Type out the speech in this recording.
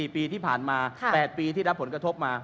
๔ปีที่ผ่านมา๘ปีที่รับผลกระทบมา